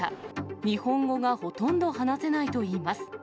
日本語がほとんど話せないといいます。